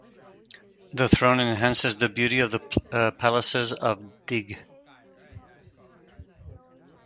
The throne enhances the beauty of the palaces of Deeg.